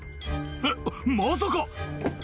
「えっまさか」